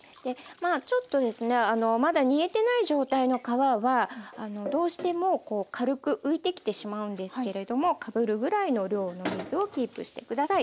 まあちょっとですねまだ煮えてない状態の皮はどうしてもこう軽く浮いてきてしまうんですけれどもかぶるぐらいの量の水をキープして下さい。